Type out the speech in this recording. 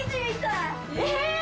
え！